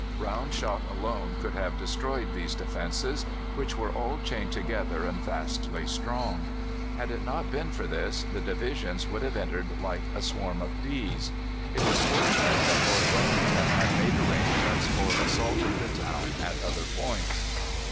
Round shot alone could have destroyed these defences, which were all chained together and vastly strong. Had it not been for this, the divisions would have entered like a swarm of bees. It was fortunate that Lord Wellington had made arrangements for assaulting the town at other points.